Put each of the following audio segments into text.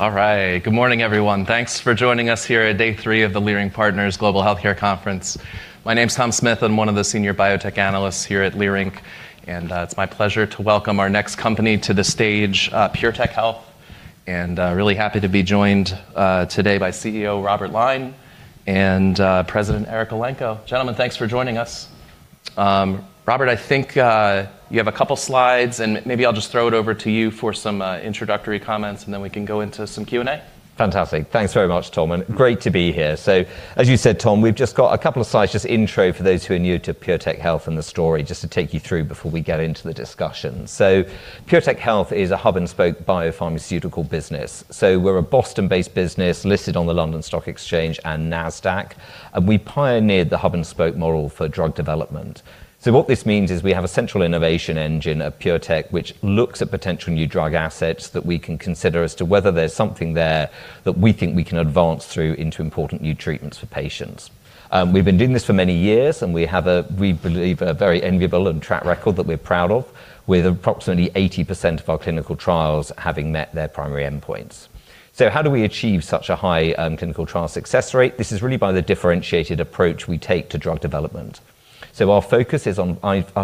All right. Good morning, everyone. Thanks for joining us here at day 3 of the Leerink Partners Global Healthcare Conference. My name's Tom Smith. I'm one of the Senior Biotech Analysts here at Leerink, and it's my pleasure to welcome our next company to the stage, PureTech Health, and really happy to be joined today by CEO Robert Lyne and President Eric Elenko. Gentlemen, thanks for joining us. Robert, I think you have a couple slides and maybe I'll just throw it over to you for some introductory comments, and then we can go into some Q&A. Fantastic. Thanks very much, Tom, and great to be here. As you said, Tom, we've just got a couple of slides, just intro for those who are new to PureTech Health and the story, just to take you through before we get into the discussion. PureTech Health is a hub-and-spoke biopharmaceutical business. We're a Boston-based business listed on the London Stock Exchange and Nasdaq, and we pioneered the hub-and-spoke model for drug development. What this means is we have a central innovation engine at PureTech, which looks at potential new drug assets that we can consider as to whether there's something there that we think we can advance through into important new treatments for patients. We've been doing this for many years, and we have, we believe, a very enviable track record that we're proud of with approximately 80% of our clinical trials having met their primary endpoints. How do we achieve such a high clinical trial success rate? This is really by the differentiated approach we take to drug development. Our focus is on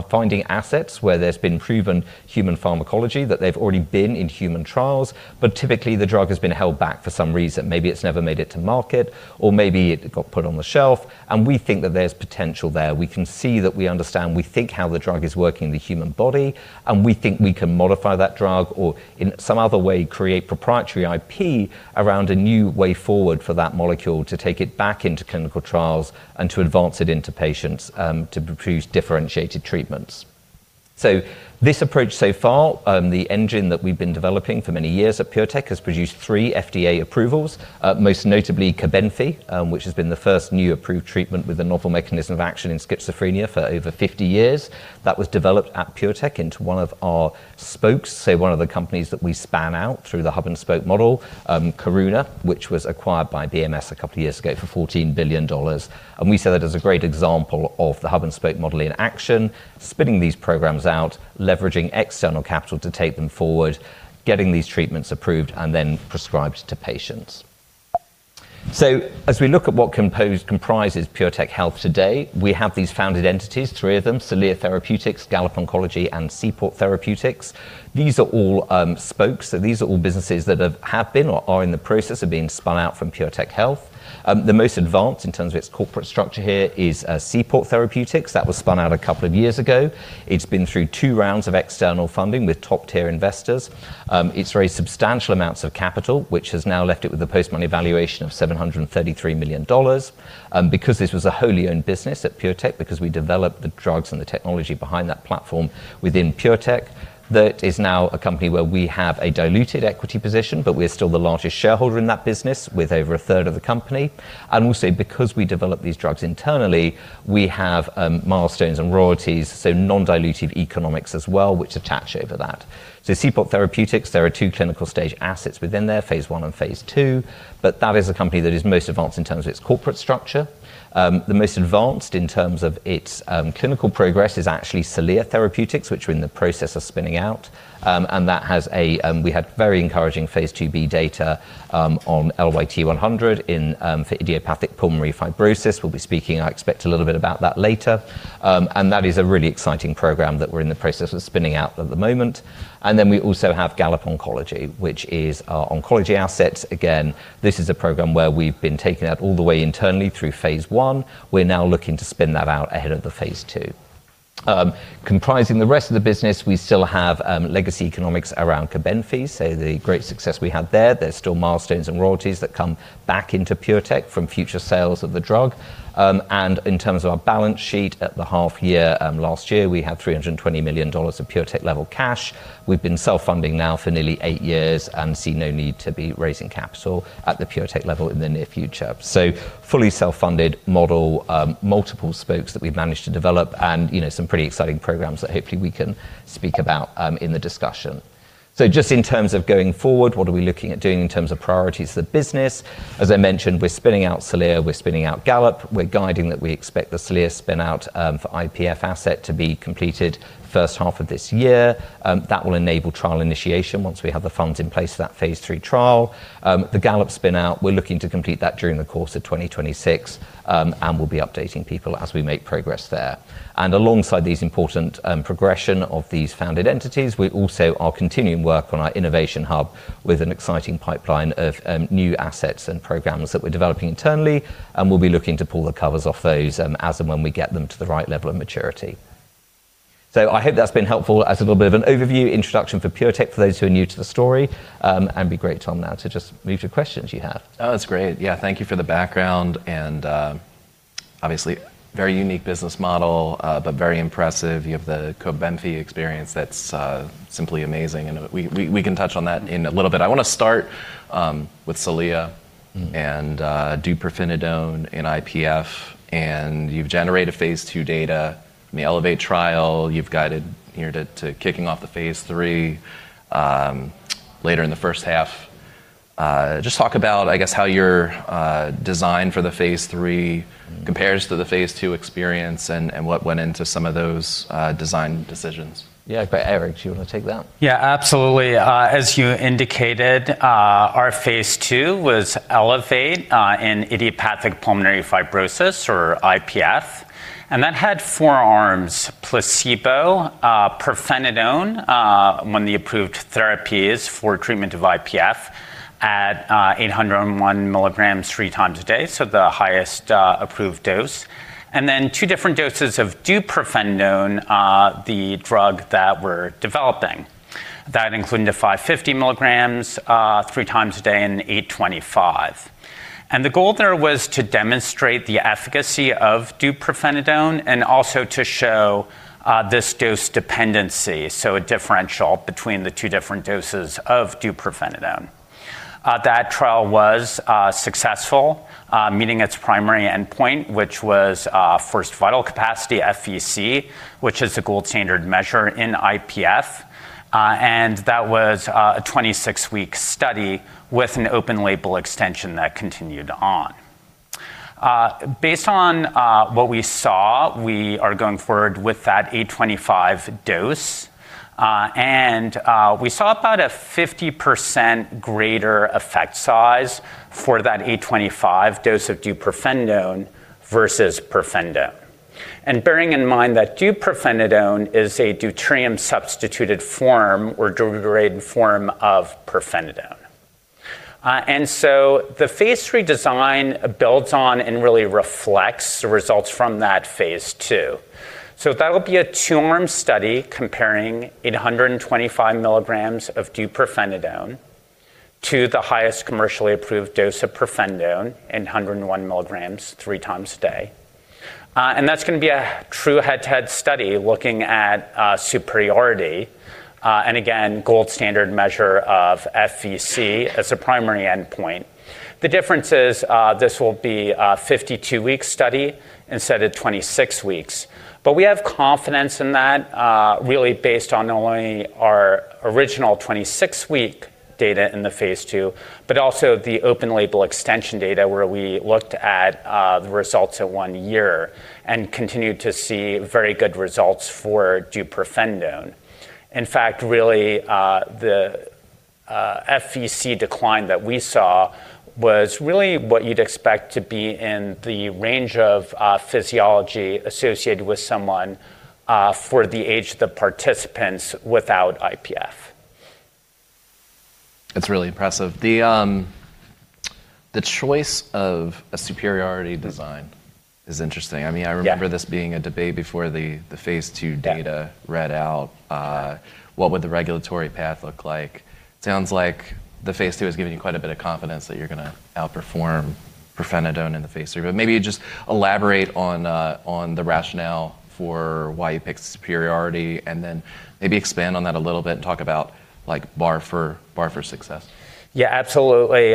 finding assets where there's been proven human pharmacology, that they've already been in human trials. Typically, the drug has been held back for some reason. Maybe it's never made it to market, or maybe it got put on the shelf, and we think that there's potential there. We can see that we understand, we think how the drug is working in the human body, and we think we can modify that drug or in some other way create proprietary IP around a new way forward for that molecule to take it back into clinical trials and to advance it into patients, to produce differentiated treatments. This approach so far, the engine that we've been developing for many years at PureTech has produced 3 FDA approvals, most notably Cobenfy, which has been the first new approved treatment with a novel mechanism of action in schizophrenia for over 50 years. That was developed at PureTech into one of our spokes, so one of the companies that we span out through the hub-and-spoke model, Karuna, which was acquired by BMS a couple of years ago for $14 billion, and we see that as a great example of the hub-and-spoke model in action, spinning these programs out, leveraging external capital to take them forward, getting these treatments approved and then prescribed to patients. As we look at what comprises PureTech Health today, we have these founded entities, 3 of them, Celea Therapeutics, Gallop Oncology, and Seaport Therapeutics. These are all spokes. These are all businesses that have been or are in the process of being spun out from PureTech Health. The most advanced in terms of its corporate structure here is Seaport Therapeutics. That was spun out a couple of years ago. It's been through 2 rounds of external funding with top-tier investors. It's raised substantial amounts of capital, which has now left it with a post-money valuation of $733 million. Because this was a wholly owned business at PureTech, because we developed the drugs and the technology behind that platform within PureTech, that is now a company where we have a diluted equity position, but we're still the largest shareholder in that business with over a third of the company. We'll say, because we develop these drugs internally, we have milestones and royalties, so non-dilutive economics as well, which attach over that. Seaport Therapeutics, there are 2 clinical stage assets within there, phase I and phase II, but that is a company that is most advanced in terms of its corporate structure. The most advanced in terms of its clinical progress is actually Celea Therapeutics, which we're in the process of spinning out. That has a... We had very encouraging phase 2b data on LYT-100 in for idiopathic pulmonary fibrosis. We'll be speaking, I expect, a little bit about that later. That is a really exciting program that we're in the process of spinning out at the moment. Then we also have Gallop Oncology, which is our oncology asset. Again, this is a program where we've been taking that all the way internally through phase 1. We're now looking to spin that out ahead of the phase 2. Comprising the rest of the business, we still have legacy economics around Cobenfy, so the great success we had there. There's still milestones and royalties that come back into PureTech from future sales of the drug. In terms of our balance sheet at the half year last year, we had $320 million of PureTech level cash. We've been self-funding now for nearly 8 years and see no need to be raising capital at the PureTech level in the near future. Fully self-funded model, multiple spokes that we've managed to develop and, you know, some pretty exciting programs that hopefully we can speak about in the discussion. Just in terms of going forward, what are we looking at doing in terms of priorities of the business? As I mentioned, we're spinning out Celea, we're spinning out Gallop. We're guiding that we expect the Celea spin-out for IPF asset to be completed first half of this year. That will enable trial initiation once we have the funds in place for that phase III trial. The Gallop spin-out, we're looking to complete that during the course of 2026, and we'll be updating people as we make progress there. Alongside these important progression of these founded entities, we also are continuing work on our innovation hub with an exciting pipeline of new assets and programs that we're developing internally, and we'll be looking to pull the covers off those as and when we get them to the right level of maturity. I hope that's been helpful as a little bit of an overview introduction for PureTech for those who are new to the story, and it'd be great, Tom, now to just move to questions you have. Oh, that's great. Yeah. Thank you for the background and obviously very unique business model, but very impressive. You have the Cobenfy experience that's simply amazing, and we can touch on that in a little bit. I wanna start with Celea- Mm-hmm deupirfenidone in IPF, and you've generated phase II data in the ELEVATE trial. You've guided, you know, to kicking off the phase III later in the first half. Just talk about, I guess, how your design for the phase 3 compares to the phase 2 experience and what went into some of those design decisions. Yeah. Eric, do you wanna take that? Yeah, absolutely. As you indicated, our phase 2 was ELEVATE in idiopathic pulmonary fibrosis or IPF, and that had 4 arms, placebo, pirfenidone, one of the approved therapies for treatment of IPF at 801ml 3x a day, so the highest approved dose. 2 different doses of deupirfenidone, the drug that we're developing. That included the 550ml 3x a day and 825. The goal there was to demonstrate the efficacy of deupirfenidone and also to show this dose dependency, so a differential between the 2 different doses of deupirfenidone. That trial was successful, meeting its primary endpoint, which was forced vital capacity, FVC, which is the gold standard measure in IPF. That was a 26-week study with an open label extension that continued on. Based on what we saw, we are going forward with that 825 dose. We saw about a 50% greater effect size for that 825 dose of deupirfenidone versus pirfenidone. Bearing in mind that deupirfenidone is a deuterium-substituted form or deuterated form of pirfenidone. The phase 3 design builds on and really reflects the results from that phase 2. That'll be a 2-arm study comparing 825ml of deupirfenidone to the highest commercially approved dose of pirfenidone, 801ml 3x a day. That's gonna be a true head-to-head study looking at superiority, and again, gold standard measure of FVC as a primary endpoint. The difference is, this will be a 52-week study instead of 26 weeks. We have confidence in that, really based on not only our original 26-week data in the phase 2, but also the open label extension data where we looked at, the results at one year and continued to see very good results for deupirfenidone. In fact, really, the FVC decline that we saw was really what you'd expect to be in the range of, physiology associated with someone for the age of the participants without IPF. That's really impressive. The choice of a superiority design is interesting. I mean. Yeah I remember this being a debate before the phase 2 data. Yeah Read out. Yeah What would the regulatory path look like? Sounds like the phase 2 has given you quite a bit of confidence that you're gonna outperform pirfenidone in the phase 3. Maybe just elaborate on the rationale for why you picked superiority, and then maybe expand on that a little bit and talk about, like, bar for success. Yeah, absolutely.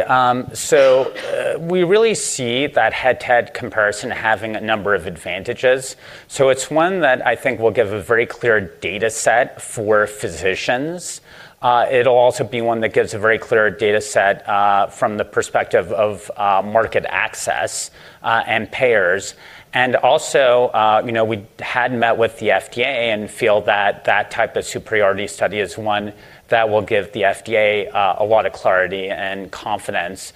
We really see that head-to-head comparison having a number of advantages. It's one that I think will give a very clear data set for physicians. It'll also be one that gives a very clear data set from the perspective of market access and payers. Also, you know, we had met with the FDA and feel that that type of superiority study is one that will give the FDA a lot of clarity and confidence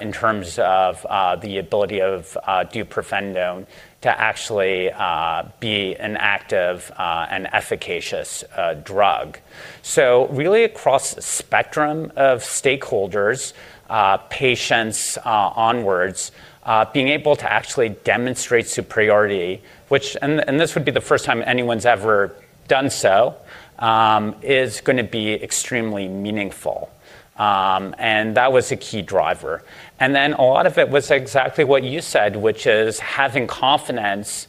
in terms of the ability of deupirfenidone to actually be an active and efficacious drug. Really across the spectrum of stakeholders, patients onwards, being able to actually demonstrate superiority, and this would be the first time anyone's ever done so, is gonna be extremely meaningful. That was a key driver. A lot of it was exactly what you said, which is having confidence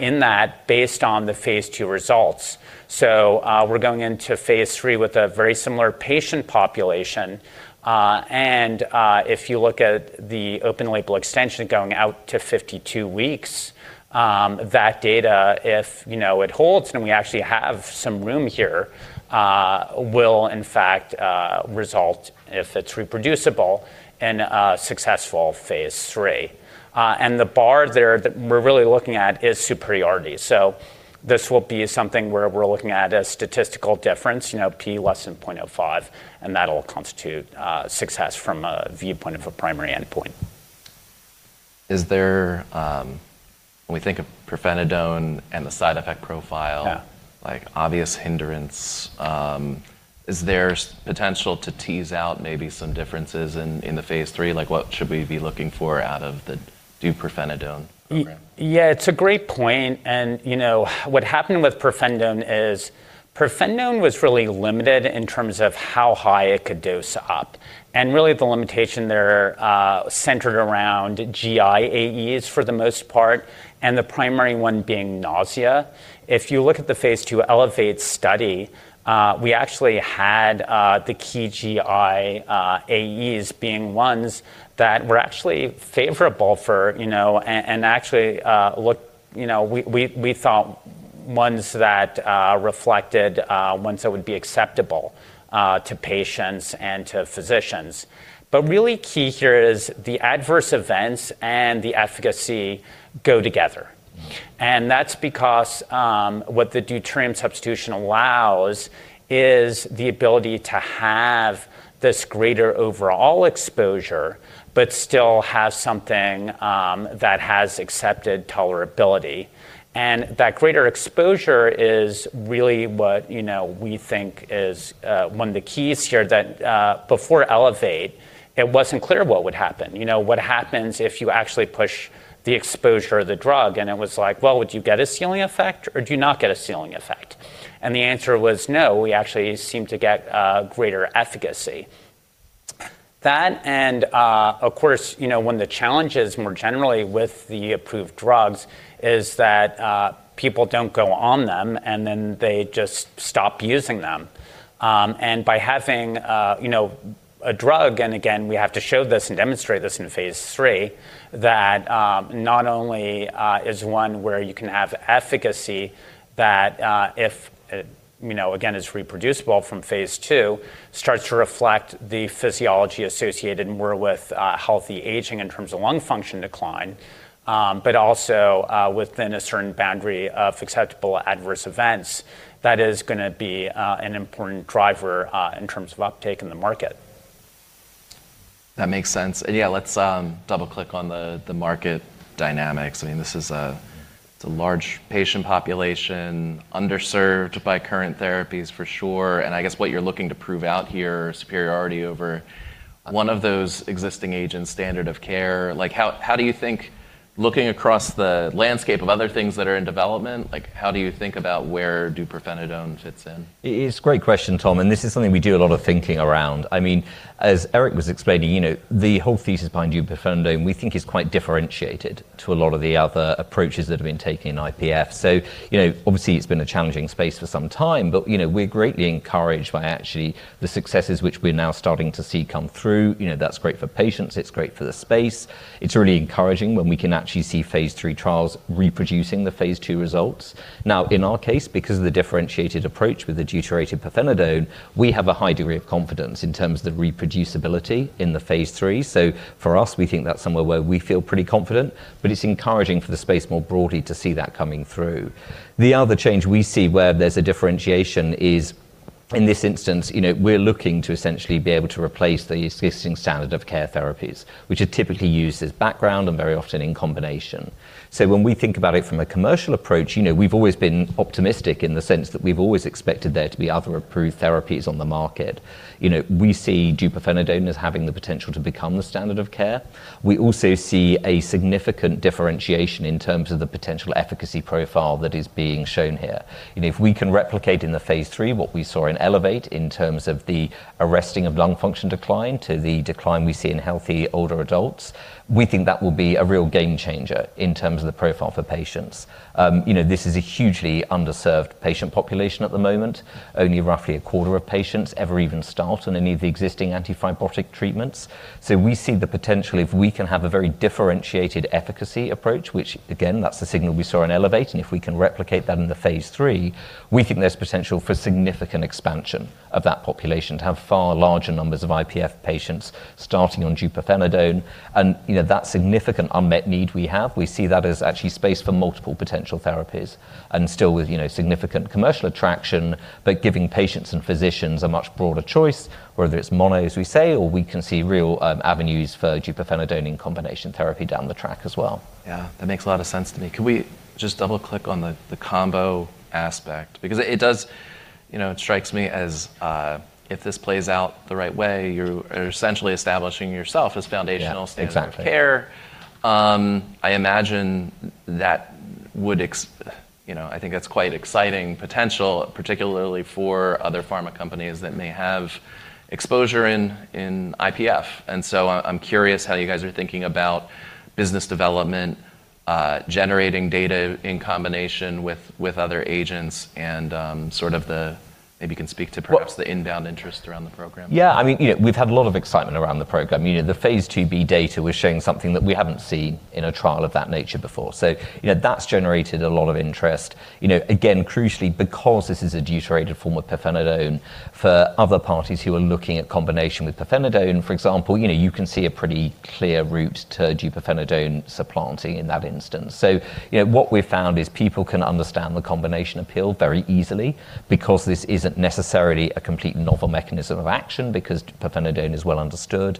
in that based on the phase 2 results. We're going into phase 3 with a very similar patient population. If you look at the open-label extension going out to 52 weeks, that data, you know, if it holds, and we actually have some room here, will in fact result, if it's reproducible, in a successful phase 3. The bar there that we're really looking at is superiority. This will be something where we're looking at a statistical difference, you know, p < 0.05, and that'll constitute success from a viewpoint of a primary endpoint. When we think of pirfenidone and the side effect profile. Yeah like obvious hindrance, is there potential to tease out maybe some differences in the phase 3? Like, what should we be looking for out of the deupirfenidone program? Yeah, it's a great point, and, you know, what happened with pirfenidone is pirfenidone was really limited in terms of how high it could dose up. Really the limitation there centered around GI AEs for the most part, and the primary one being nausea. If you look at the phase 2 ELEVATE study, we actually had the key GI AEs being ones that were actually favorable for, you know, and actually looked. You know, we thought ones that reflected ones that would be acceptable to patients and to physicians. Really key here is the adverse events and the efficacy go together. Mm. That's because what the deuterium substitution allows is the ability to have this greater overall exposure, but still have something that has accepted tolerability. That greater exposure is really what, you know, we think is one of the keys here that before ELEVATE it wasn't clear what would happen. You know, what happens if you actually push the exposure of the drug, and it was like, well, would you get a ceiling effect or do you not get a ceiling effect? And the answer was no, we actually seem to get greater efficacy. That and, of course, you know, one of the challenges more generally with the approved drugs is that people don't go on them, and then they just stop using them. By having, you know, a drug, and again, we have to show this and demonstrate this in phase 3, that not only is one where you can have efficacy that, if it, you know, again is reproducible from phase 2, starts to reflect the physiology associated more with healthy aging in terms of lung function decline, but also within a certain boundary of acceptable adverse events that is gonna be an important driver in terms of uptake in the market. That makes sense. Yeah, let's double-click on the market dynamics. I mean, this is a large patient population, underserved by current therapies for sure. I guess what you're looking to prove out here, superiority over one of those existing agents' standard of care. Like, how do you think looking across the landscape of other things that are in development, like, how do you think about where deupirfenidone fits in? It is a great question, Tom, and this is something we do a lot of thinking around. I mean, as Eric was explaining, you know, the whole thesis behind deupirfenidone we think is quite differentiated to a lot of the other approaches that have been taken in IPF. You know, obviously it's been a challenging space for some time, but you know, we're greatly encouraged by actually the successes which we are now starting to see come through. You know, that's great for patients, it's great for the space. It's really encouraging when we can actually see phase 3 trials reproducing the phase 2 results. Now, in our case, because of the differentiated approach with the deuterated pirfenidone, we have a high degree of confidence in terms of the reproducibility in the phase 3. For us, we think that's somewhere where we feel pretty confident. It's encouraging for the space more broadly to see that coming through. The other change we see where there's a differentiation is in this instance, you know, we're looking to essentially be able to replace the existing standard of care therapies, which are typically used as background and very often in combination. When we think about it from a commercial approach, you know, we've always been optimistic in the sense that we've always expected there to be other approved therapies on the market. You know, we see deupirfenidone as having the potential to become the standard of care. We also see a significant differentiation in terms of the potential efficacy profile that is being shown here. If we can replicate in the phase 3 what we saw in ELEVATE in terms of the arresting of lung function decline to the decline we see in healthy older adults, we think that will be a real game changer in terms of the profile for patients. This is a hugely underserved patient population at the moment. Only roughly a quarter of patients ever even start on any of the existing antifibrotic treatments. We see the potential if we can have a very differentiated efficacy approach, which again, that's the signal we saw in ELEVATE, and if we can replicate that in the phase 3, we think there's potential for significant expansion of that population to have far larger numbers of IPF patients starting on deupirfenidone. You know, that significant unmet need we have, we see that as actually space for multiple potential therapies and still with, you know, significant commercial attraction, but giving patients and physicians a much broader choice, whether it's mono, as we say, or we can see real avenues for deupirfenidone in combination therapy down the track as well. Yeah, that makes a lot of sense to me. Can we just double-click on the combo aspect? Because it does, you know, it strikes me as, if this plays out the right way, you're essentially establishing yourself as foundational. Yeah. Exactly. Standard of care. I imagine that would you know, I think that's quite exciting potential, particularly for other pharma companies that may have exposure in IPF. I'm curious how you guys are thinking about business development, generating data in combination with other agents, and sort of maybe you can speak to perhaps the inbound interest around the program? Yeah, I mean, you know, we've had a lot of excitement around the program. You know, the phase IIb data was showing something that we haven't seen in a trial of that nature before. You know, that's generated a lot of interest. You know, again, crucially because this is a deuterated form of pirfenidone, for other parties who are looking at combination with pirfenidone, for example, you know, you can see a pretty clear route to deupirfenidone supplanting in that instance. You know, what we've found is people can understand the combination appeal very easily because this isn't necessarily a complete novel mechanism of action because pirfenidone is well understood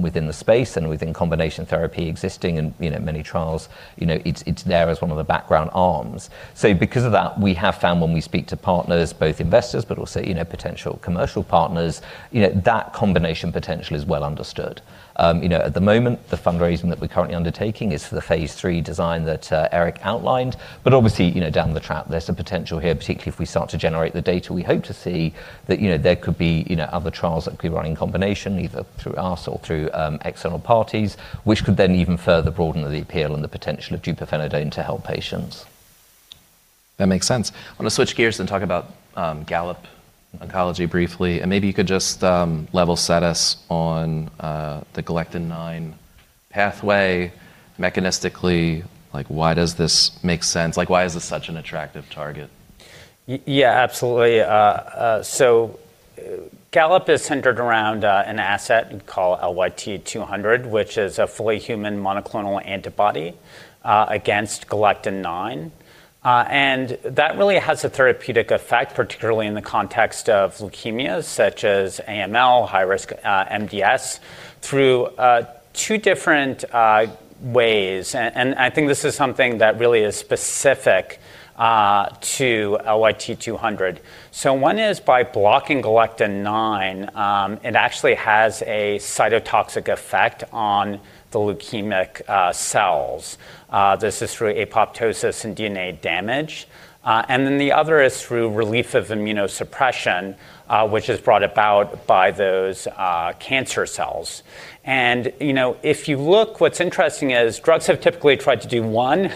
within the space and within combination therapy existing and, you know, many trials, you know, it's there as one of the background arms. Because of that, we have found when we speak to partners, both investors, but also, you know, potential commercial partners, you know, that combination potential is well understood. You know, at the moment, the fundraising that we're currently undertaking is for the phase 3 design that Eric outlined. Obviously, you know, down the track there's a potential here, particularly if we start to generate the data, we hope to see that, you know, there could be, you know, other trials that could be run in combination either through us or through external parties, which could then even further broaden the appeal and the potential of deupirfenidone to help patients. That makes sense. I wanna switch gears and talk about Gallop Oncology briefly, and maybe you could just level set us on the galectin-9 pathway mechanistically, like why does this make sense? Like why is this such an attractive target? Yeah, absolutely. Gallop is centered around an asset called LYT 200, which is a fully human monoclonal antibody against galectin-9. That really has a therapeutic effect, particularly in the context of leukemias such as AML, high-risk MDS, through 2 different ways. I think this is something that really is specific to LYT 200. One is by blocking galectin-9, it actually has a cytotoxic effect on the leukemic cells. This is through apoptosis and DNA damage. The other is through relief of immunosuppression, which is brought about by those cancer cells. You know, if you look, what's interesting is drugs have typically tried to do one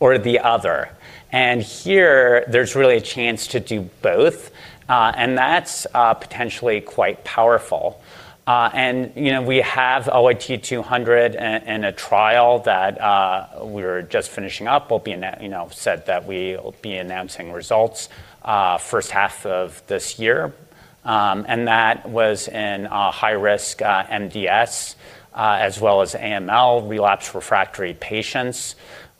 or the other, and here there's really a chance to do both, and that's potentially quite powerful. You know, we have LYT-200 in a trial that we're just finishing up. We'll be announcing results, you know, as we said, first half of this year. That was in high-risk MDS as well as AML relapsed refractory patients.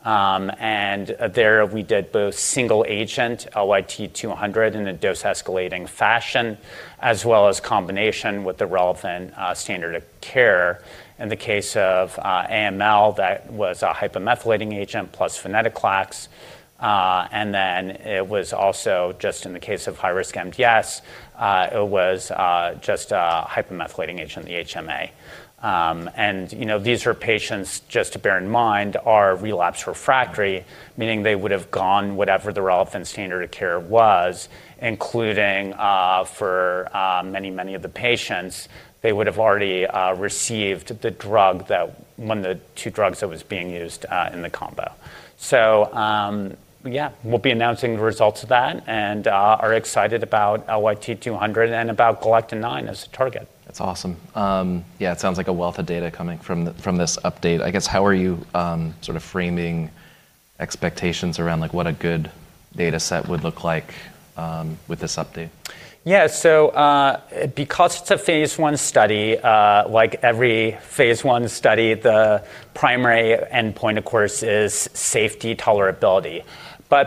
There we did both single agent LYT-200 in a dose-escalating fashion as well as combination with the relevant standard of care. In the case of AML, that was a hypomethylating agent plus venetoclax. It was also just in the case of high-risk MDS, it was just a hypomethylating agent, the HMA. You know, these are patients, just to bear in mind, are relapsed refractory, meaning they would have gone whatever the relevant standard of care was, including, for many of the patients, they would have already received one of the 2 drugs that was being used in the combo. Yeah, we'll be announcing the results of that and are excited about LYT-200 and about galectin-9 as a target. That's awesome. Yeah, it sounds like a wealth of data coming from this update. I guess, how are you sort of framing expectations around like what a good data set would look like with this update? Yeah. Because it's a phase one study, like every phase one study, the primary endpoint, of course, is safety tolerability.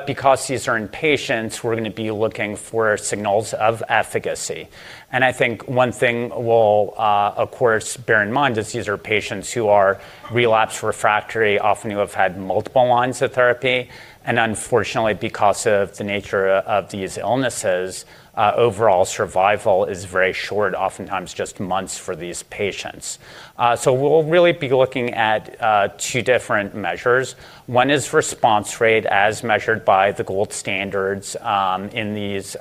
Because these are in patients, we're gonna be looking for signals of efficacy. I think one thing we'll, of course, bear in mind is these are patients who are relapsed refractory, often who have had multiple lines of therapy. Unfortunately, because of the nature of these illnesses, overall survival is very short, oftentimes just months for these patients. We'll really be looking at 2 different measures. One is response rate as measured by the gold standards in these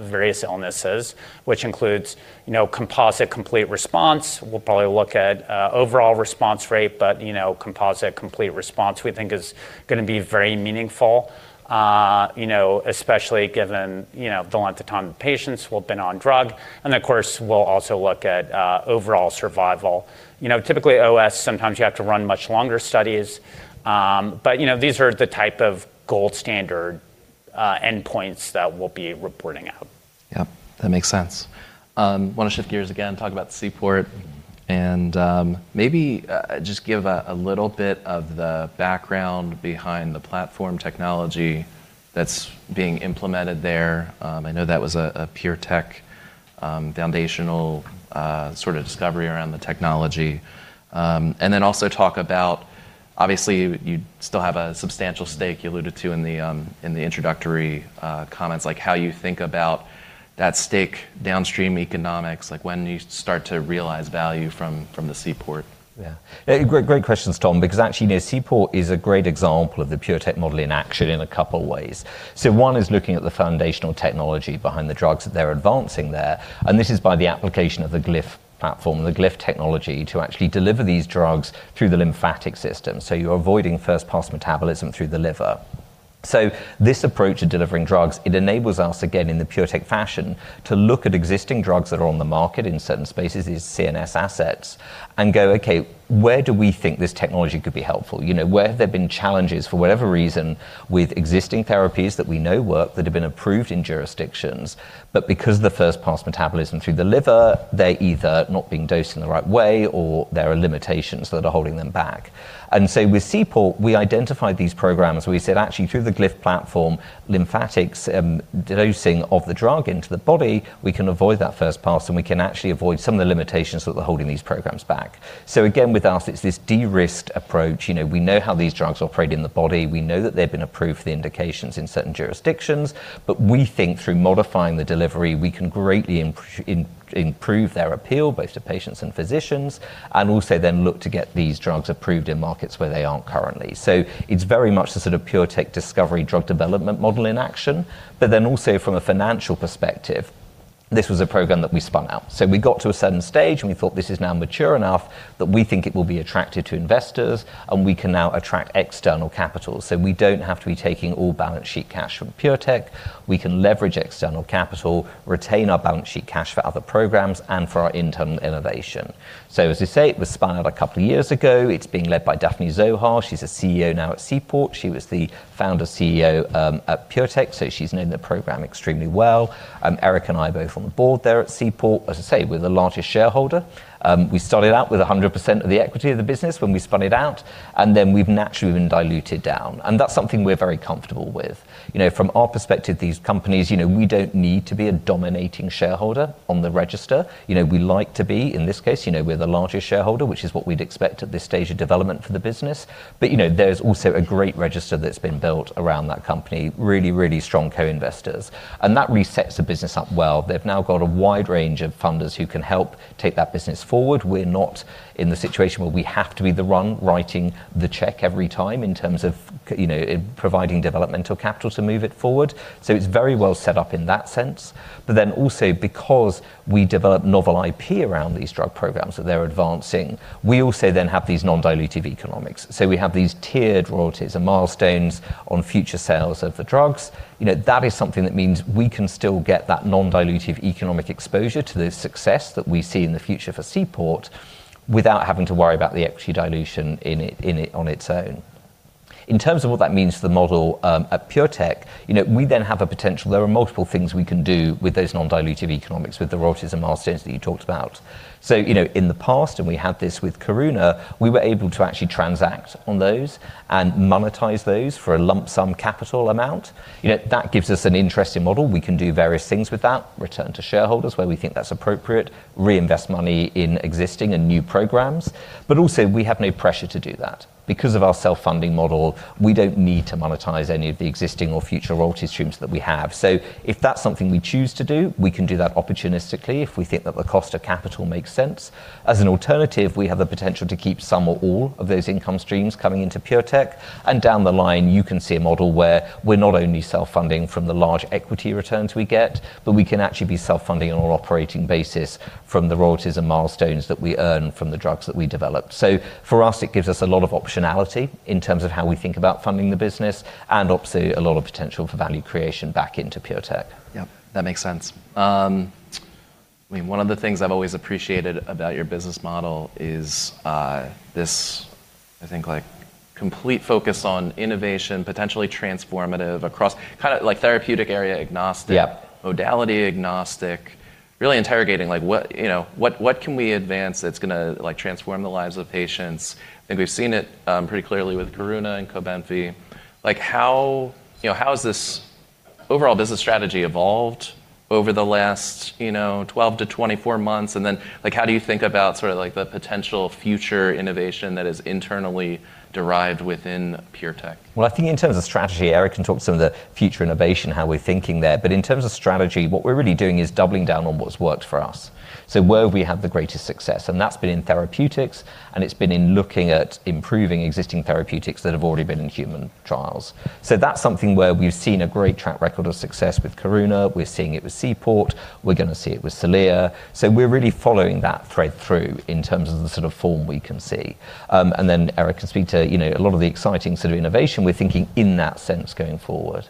various illnesses, which includes, you know, composite complete response. We'll probably look at overall response rate, but, you know, composite complete response, we think is gonna be very meaningful. You know, especially given, you know, the length of time patients who have been on drug. Of course, we'll also look at overall survival. You know, typically OS, sometimes you have to run much longer studies. You know, these are the type of gold standard endpoints that we'll be reporting out. Yep, that makes sense. Wanna shift gears again, talk about Seaport and maybe just give a little bit of the background behind the platform technology that's being implemented there. I know that was a PureTech foundational sort of discovery around the technology. And then also talk about obviously you still have a substantial stake you alluded to in the introductory comments, like how you think about that stake downstream economics, like when you start to realize value from the Seaport. Yeah. Great questions, Tom, because actually Seaport is a great example of the PureTech model in action in a couple ways. One is looking at the foundational technology behind the drugs that they're advancing there, and this is by the application of the Glyph platform, the Glyph technology to actually deliver these drugs through the lymphatic system. You're avoiding first pass metabolism through the liver. This approach to delivering drugs, it enables us, again, in the PureTech fashion, to look at existing drugs that are on the market in certain spaces, these CNS assets, and go, "Okay, where do we think this technology could be helpful?" You know, where have there been challenges for whatever reason with existing therapies that we know work, that have been approved in jurisdictions, but because of the first pass metabolism through the liver, they're either not being dosed in the right way or there are limitations that are holding them back. With Seaport, we identified these programs. We said actually through the Glyph platform lymphatics, dosing of the drug into the body, we can avoid that first pass, and we can actually avoid some of the limitations that are holding these programs back. Again, with us, it's this de-risked approach. You know, we know how these drugs operate in the body. We know that they've been approved for the indications in certain jurisdictions. We think through modifying the delivery, we can greatly improve their appeal both to patients and physicians, and also then look to get these drugs approved in markets where they aren't currently. It's very much the sort of PureTech discovery drug development model in action. Also from a financial perspective. This was a program that we spun out. We got to a certain stage, and we thought this is now mature enough that we think it will be attractive to investors, and we can now attract external capital. We don't have to be taking all balance sheet cash from PureTech. We can leverage external capital, retain our balance sheet cash for other programs and for our internal innovation. As we say, it was spun out a couple of years ago. It's being led by Daphne Zohar. She's CEO now at Seaport. She was the founder CEO at PureTech, so she's known the program extremely well. Eric and I both on the board there at Seaport. As I say, we're the largest shareholder. We started out with 100% of the equity of the business when we spun it out, and then we've naturally been diluted down, and that's something we're very comfortable with. You know, from our perspective, these companies, you know, we don't need to be a dominating shareholder on the register. You know, we like to be. In this case, you know, we're the largest shareholder, which is what we'd expect at this stage of development for the business. You know, there's also a great register that's been built around that company, really strong co-investors. that resets the business up well. They've now got a wide range of funders who can help take that business forward. We're not in the situation where we have to be the one writing the check every time in terms of, you know, providing developmental capital to move it forward. it's very well set up in that sense. also because we develop novel IP around these drug programs that they're advancing, we also then have these non-dilutive economics. we have these tiered royalties and milestones on future sales of the drugs. You know, that is something that means we can still get that non-dilutive economic exposure to the success that we see in the future for Seaport without having to worry about the equity dilution in on its own. In terms of what that means for the model, at PureTech, you know, we then have a potential. There are multiple things we can do with those non-dilutive economics, with the royalties and milestones that you talked about. You know, in the past, and we had this with Karuna, we were able to actually transact on those and monetize those for a lump sum capital amount. You know, that gives us an interesting model. We can do various things with that, return to shareholders where we think that's appropriate, reinvest money in existing and new programs. Also we have no pressure to do that. Because of our self-funding model, we don't need to monetize any of the existing or future royalty streams that we have. If that's something we choose to do, we can do that opportunistically if we think that the cost of capital makes sense. As an alternative, we have the potential to keep some or all of those income streams coming into PureTech, and down the line you can see a model where we're not only self-funding from the large equity returns we get, but we can actually be self-funding on an operating basis from the royalties and milestones that we earn from the drugs that we develop. For us, it gives us a lot of optionality in terms of how we think about funding the business and obviously a lot of potential for value creation back into PureTech. Yeah. That makes sense. I mean, one of the things I've always appreciated about your business model is, this, I think like complete focus on innovation, potentially transformative across kinda like therapeutic area agnostic- Yeah Modality agnostic, really interrogating like what, you know, what can we advance that's gonna like transform the lives of patients. I think we've seen it pretty clearly with Karuna and Cobenfy. Like how, you know, how has this overall business strategy evolved over the last 12-24 months? Like, how do you think about sort of like the potential future innovation that is internally derived within PureTech? Well, I think in terms of strategy, Eric can talk some of the future innovation, how we're thinking there. In terms of strategy, what we're really doing is doubling down on what's worked for us. Where we have the greatest success, and that's been in therapeutics, and it's been in looking at improving existing therapeutics that have already been in human trials. That's something where we've seen a great track record of success with Karuna. We're seeing it with Seaport. We're gonna see it with Celea. We're really following that thread through in terms of the sort of form we can see. Then Eric can speak to, you know, a lot of the exciting sort of innovation we're thinking in that sense going forward.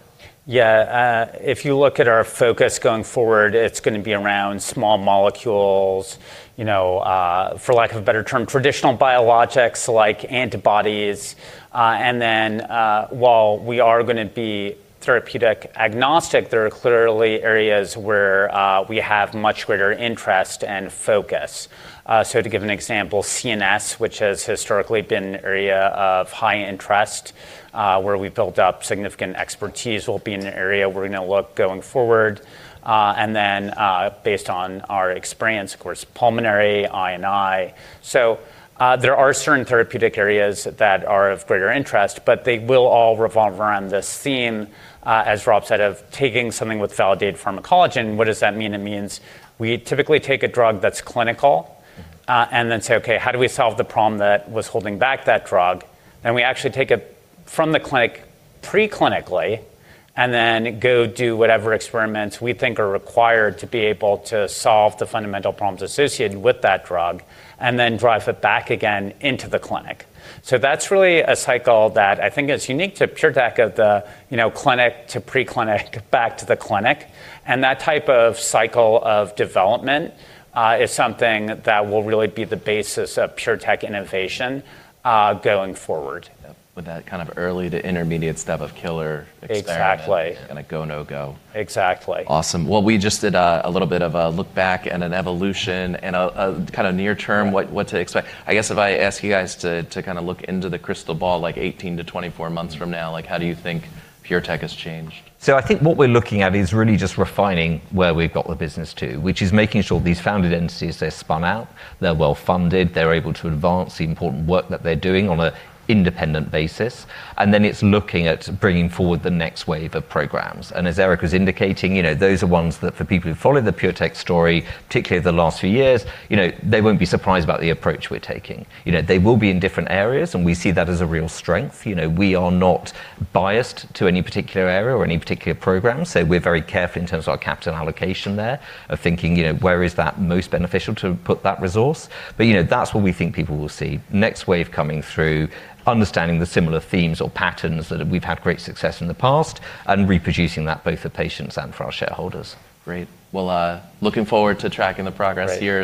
If you look at our focus going forward, it's gonna be around small molecules, you know, for lack of a better term, traditional biologics like antibodies. While we are gonna be therapeutic agnostic, there are clearly areas where we have much greater interest and focus. To give an example, CNS, which has historically been an area of high interest, where we've built up significant expertise, will be an area we're gonna look going forward. Based on our experience, of course, pulmonary, immunology. There are certain therapeutic areas that are of greater interest, but they will all revolve around this theme, as Rob said, of taking something with validated pharmacology. What does that mean? It means we typically take a drug that's clinical, and then say, okay, how do we solve the problem that was holding back that drug? We actually take it from the clinic pre-clinically and then go do whatever experiments we think are required to be able to solve the fundamental problems associated with that drug and then drive it back again into the clinic. That's really a cycle that I think is unique to PureTech of the, you know, clinic to pre-clinic back to the clinic. That type of cycle of development is something that will really be the basis of PureTech innovation going forward. With that kind of early to intermediate step of killer experiment. Exactly A go no-go. Exactly. Awesome. Well, we just did a little bit of a look back and an evolution and a kinda near term, what to expect. I guess if I ask you guys to kinda look into the crystal ball like 18-24 months from now, like how do you think PureTech has changed? I think what we're looking at is really just refining where we've got the business to, which is making sure these founded entities, they're spun out, they're well-funded, they're able to advance the important work that they're doing on an independent basis. It's looking at bringing forward the next wave of programs. As Eric was indicating, you know, those are ones that for people who follow the PureTech story, particularly the last few years, you know, they won't be surprised about the approach we're taking. You know, they will be in different areas, and we see that as a real strength. You know, we are not biased to any particular area or any particular program, so we're very careful in terms of our capital allocation there of thinking, you know, where is that most beneficial to put that resource. You know, that's what we think people will see. Next wave coming through, understanding the similar themes or patterns that we've had great success in the past and reproducing that both for patients and for our shareholders. Great. Well, looking forward to tracking the progress here.